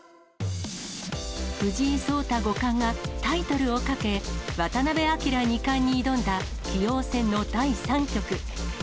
藤井聡太五冠が、タイトルをかけ、渡辺明二冠に挑んだ棋王戦の第３局。